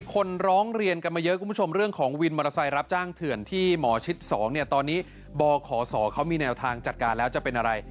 คนร้องเรียนกันมาเยอะคุณผู้ชมเรื่องของวินมอเตอร์ไซค์รับจ้างเถื่อนที่หมอชิด๒เนี่ยตอนนี้บขศเขามีแนวทางจัดการแล้วจะเป็นอะไร